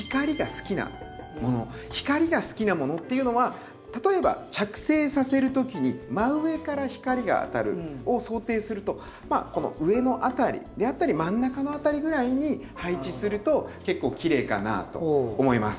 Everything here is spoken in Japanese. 光が好きなものっていうのは例えば着生させる時に真上から光が当たるのを想定するとこの上の辺りであったり真ん中の辺りぐらいに配置すると結構きれいかなと思います。